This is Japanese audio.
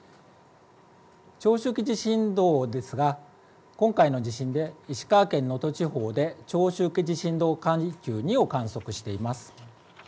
長周期地震動ですが今回の地震で石川県能登地方で長周期地震動階級２を観測しています。